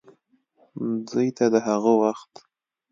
دوې ته دَ هغه وخت